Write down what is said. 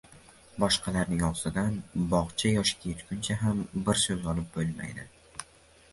boshqalarining og‘zidan bog‘cha yoshiga yetgunigacha ham bir so‘z olib bo‘lmaydi.